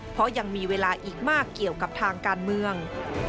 เพราะยังมีเวลาอีกมากเกี่ยวกับทางการเมือง